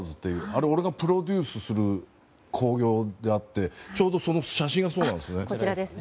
あれは俺がプロデュースする興行でちょうどその写真がそうなんですね。